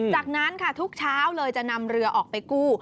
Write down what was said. จากนั้นค่ะทุกเช้าเลยจะนำเรือออกไปกู้